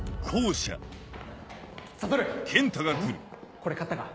これ買ったか？